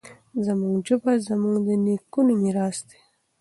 زموږ ژبه زموږ د نیکونو میراث دی.